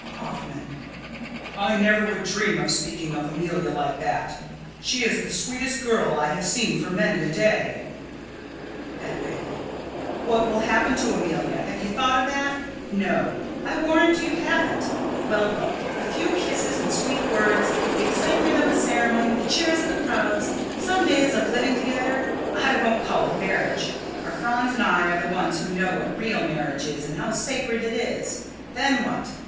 _] Hoffman: I never would dream of speaking of Amelia like that. She is the sweetest girl I have seen for many a day. Hedwig: What will happen to Amelia? Have you thought of that? No; I warrant you haven't. Well, look. A few kisses and sweet words, the excitement of the ceremony, the cheers of the crowd, some days of living together, I won't call it marriage, for Franz and I are the ones who know what real marriage is, and how sacred it is, then what?